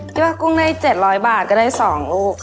คิดว่ากุ้งได้เจ็ดร้อยบาทก็ได้สองลูกค่ะ